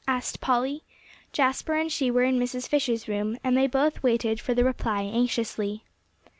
asked Polly. Jasper and she were in Mrs. Fisher's room, and they both waited for the reply anxiously.